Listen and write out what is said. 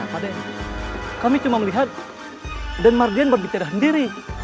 kenapa deh kami cuma melihat dan mardian berpikir sendiri